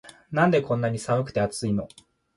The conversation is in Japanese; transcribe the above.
なんでこんなに寒くて熱いの